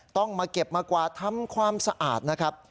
ต้องมาเก็บมากวาดทำความสะอาดนะครับ